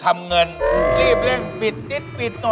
แต่มันดึงหน้ามาพี่ไม่รู้หรอกโอ้โห